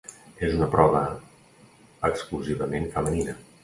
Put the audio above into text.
És una prova exclusivament femenina.